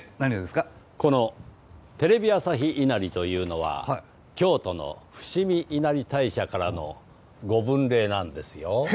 このテレビ朝日稲荷というのは京都の伏見稲荷大社からのご分霊なんですよ。